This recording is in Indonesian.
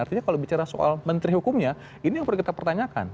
artinya kalau bicara soal menteri hukumnya ini yang perlu kita pertanyakan